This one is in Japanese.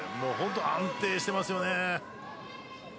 安定していますよね。